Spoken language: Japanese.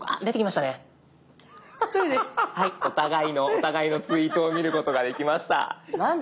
お互いのツイートを見ることができました。